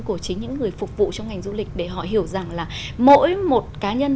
của chính những người phục vụ cho ngành du lịch để họ hiểu rằng là mỗi một cá nhân